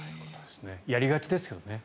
やりがちですけどね。